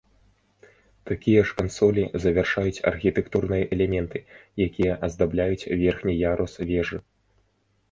Такія ж кансолі завяршаюць архітэктурныя элементы, якія аздабляюць верхні ярус вежы.